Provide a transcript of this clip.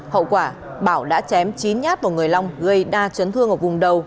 hậu quả bảo đã chém chín nhát vào người long gây đa chấn thương ở vùng đầu